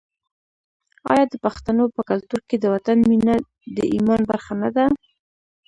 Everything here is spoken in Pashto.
آیا د پښتنو په کلتور کې د وطن مینه د ایمان برخه نه ده؟